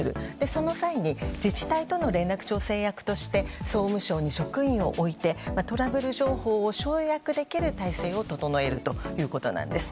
その際に自治体との連絡調整役として総務省の職員を置いてトラブル情報を集約できる体制を整えるということなんです。